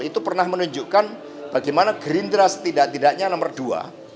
itu pernah menunjukkan bagaimana gerindra setidak tidaknya nomor dua